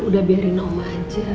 udah biarin oma aja